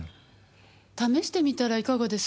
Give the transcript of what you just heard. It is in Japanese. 試してみたらいかがです？